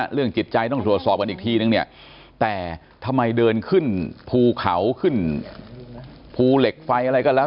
เรื่องจิตใจต้องตรวจสอบกันอีกทีนึงเนี่ยแต่ทำไมเดินขึ้นภูเขาขึ้นภูเหล็กไฟอะไรก็แล้ว